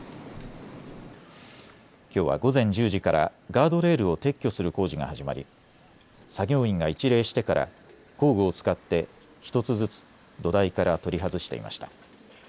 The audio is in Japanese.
きょうは午前１０時からガードレールを撤去する工事が始まり、作業員が一礼してから工具を使って１つずつ土台から取り外していました。